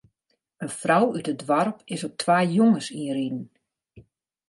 In frou út it doarp is op twa jonges ynriden.